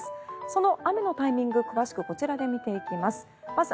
その雨のタイミング詳しくこちらで見ていきます。